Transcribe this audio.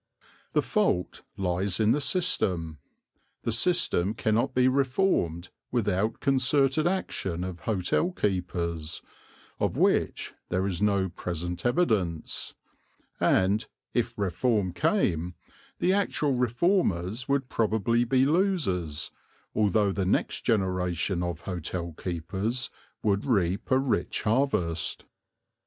The fault lies in the system; the system cannot be reformed without concerted action of hotel keepers, of which there is no present evidence; and, if reform came, the actual reformers would probably be losers, although the next generation of hotel keepers would reap a rich harvest.